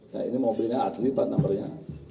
nah ini mobilnya asli plat nomornya